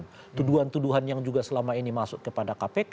dengan tuduhan tuduhan yang juga selama ini masuk kepada kpk